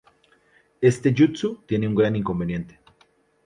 Este Jutsu tiene un gran inconveniente.